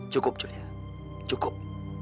cukup julia cukup